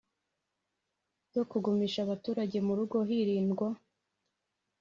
zo kugumisha abaturage mu rugo hirindwa